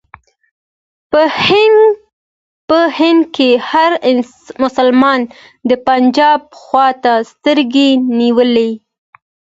په هند کې هر مسلمان د پنجاب خواته سترګې نیولې.